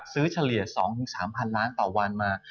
ซื้อเฉลี่ย๒๓พันล้านต่อวานมา